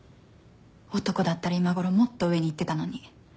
男だったら今ごろもっと上に行ってたのに。